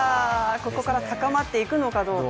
ここから高まっていくのかどうか。